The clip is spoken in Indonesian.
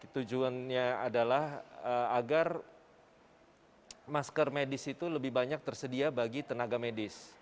tujuannya adalah agar masker medis itu lebih banyak tersedia bagi tenaga medis